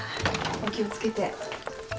お気を付けて。